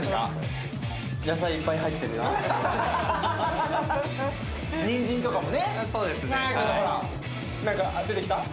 野菜いっぱい入ってるなって。